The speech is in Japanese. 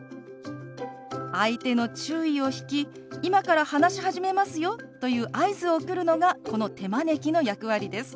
相手の注意を引き「今から話し始めますよ」という合図を送るのがこの手招きの役割です。